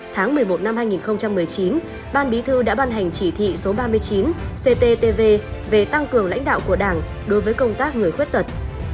tháng một mươi một năm hai nghìn một mươi chín ban bí thư đã ban hành chỉ thị số ba mươi chín cttv về tăng cường lãnh đạo của đảng đối với công tác người khuyết tật